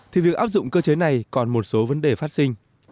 thì việc áp dụng cơ chế này còn một số vấn đề phát sinh